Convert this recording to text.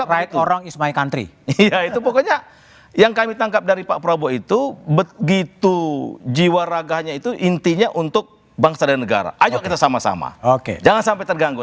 rakyat orang is my country itu pokoknya yang kami tangkap dari pak prabowo itu begitu jiwa rakyatnya itu berani untuk memperoleh kebersamaan yang terjadi di negara ini dan juga dari pemerintah yang tersebut